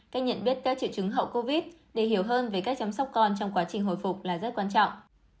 cách nhận biết các triệu chứng hậu covid để hiểu hơn về cách chăm sóc con trong quá trình hồi phục là rất quan trọng